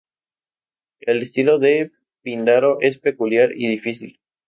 El estilo de Píndaro es peculiar y difícil.